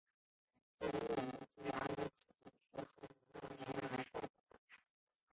近日被缉事衙门指他散播妖言而逮捕他。